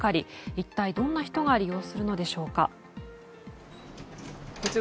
一体どんな人が利用するのでしょうか。